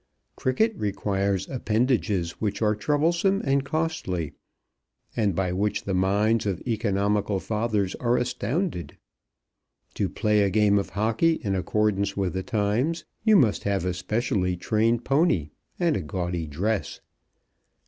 Cricket requires appendages which are troublesome and costly, and by which the minds of economical fathers are astounded. To play a game of hockey in accordance with the times you must have a specially trained pony and a gaudy dress.